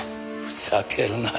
ふざけるな。